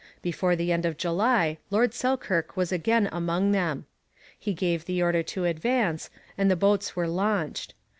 Before the end of July Lord Selkirk was again among them. He gave the order to advance, and the boats were launched.